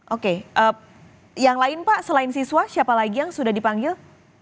oke yang lain pak selain siswa siapa lagi yang sudah dipanggil